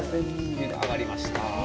ゆで上がりました。